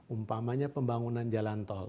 umpamanya pembangunan jalan tol